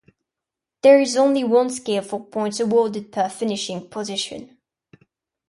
There is only one scale for points awarded per finishing position.